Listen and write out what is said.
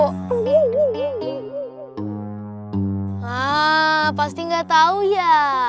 haaa pasti gak tau ya